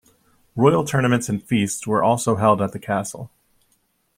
Royal tournaments and feasts were also held at the castle.